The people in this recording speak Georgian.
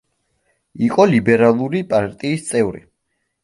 იყო ლიბერალური პარტიის წევრი.